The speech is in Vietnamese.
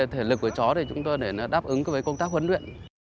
thể lực của chó chúng tôi để nó đáp ứng với công tác huấn luyện